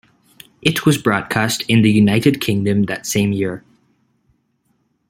It was broadcast in the United Kingdom that same year.